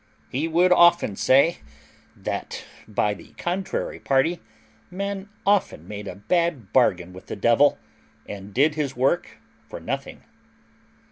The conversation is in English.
He would often indeed say that by the contrary party men often made a bad bargain with the devil, and did his work for nothing.